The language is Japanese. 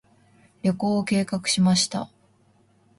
旅行を計画しました。